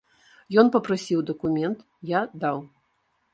Ён папрасіў дакумент, я даў.